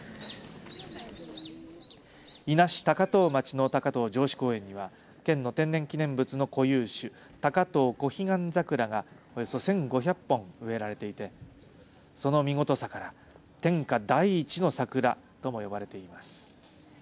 伊那市高遠町の高遠城址公園には県の天然記念物の固有種タカトオコヒガンザクラがおよそ１５００本植えられていてその見事さから天下第一の桜とも呼ばれています。